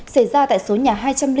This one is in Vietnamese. xảy ra tại số nhà hai trăm linh bốn